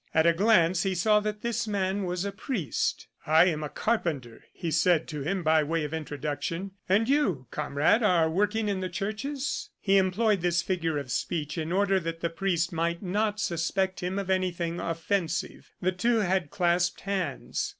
At a glance he saw that this man was a priest. "I am a carpenter," he had said to him, by way of introduction, "and you, comrade, are working in the churches?" He employed this figure of speech in order that the priest might not suspect him of anything offensive. The two had clasped hands.